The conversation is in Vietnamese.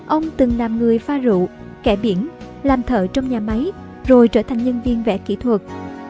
ông từng làm người pha rượu kẻ biển làm thợ trong nhà máy rồi trở thành nhân viên vẽ kỹ thuật